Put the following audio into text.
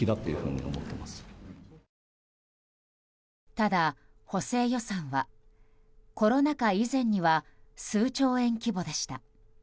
ただ、補正予算はコロナ禍以前には数兆円規模でした。